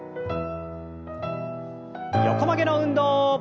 横曲げの運動。